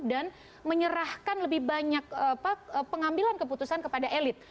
dan menyerahkan lebih banyak pengambilan keputusan kepada elit